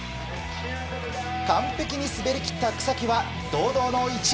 完璧に滑り切った草木は堂々の１位。